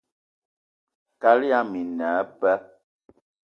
Kaal yama i ne eba